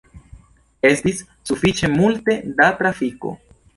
Estis sufiĉe multe da trafiko.